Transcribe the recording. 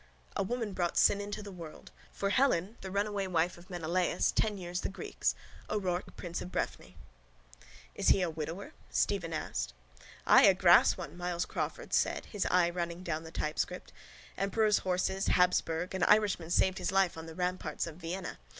Oho! A woman brought sin into the world. For Helen, the runaway wife of Menelaus, ten years the Greeks. O'Rourke, prince of Breffni. —Is he a widower? Stephen asked. —Ay, a grass one, Myles Crawford said, his eye running down the typescript. Emperor's horses. Habsburg. An Irishman saved his life on the ramparts of Vienna.